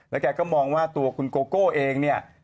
แกก็มองว่าตัวคุณโกโก้เองเนี่ย